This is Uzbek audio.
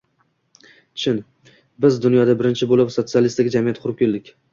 Chin, biz dunyoda birinchi bo‘lib sotsialistik jamiyat qurib edik.